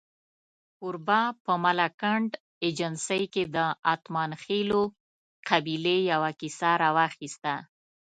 کوربه په ملکنډ ایجنسۍ کې د اتمانخېلو قبیلې یوه کیسه راواخسته.